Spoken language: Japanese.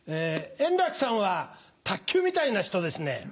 円楽さんは卓球みたいな人ですね。